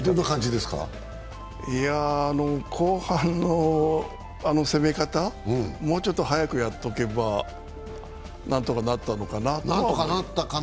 いやぁ、後半のあの攻め方、もうちょっと早くやっとけばなんとかなったかな。